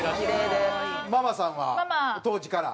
ママさんは当時から？